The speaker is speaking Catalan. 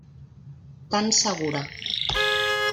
Tan segura.